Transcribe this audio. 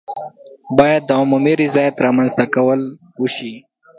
باید د عمومي رضایت رامنځته کول وشي.